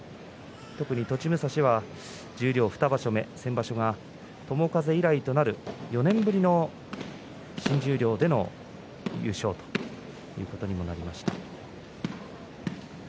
栃武蔵は十両２場所目先場所が友風以来となる４年ぶりの新十両での優勝ということになりました。